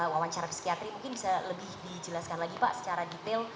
wawancara psikiatri mungkin bisa lebih dijelaskan lagi pak secara detail